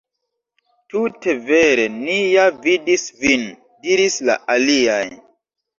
"Tute vere, ni ja vidis vin," diris la aliaj.